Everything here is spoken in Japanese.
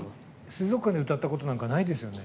水族館で歌ったことなんかないですよね？